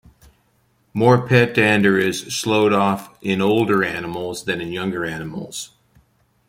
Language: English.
More pet dander is sloughed off in older animals than in younger animals.